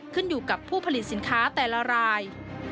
ขึ้นอยู่กับผู้ผลิตสินค้าแต่ละราย